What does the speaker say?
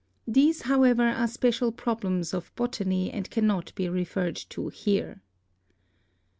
These, however, are special problems of botany and cannot be referred to here.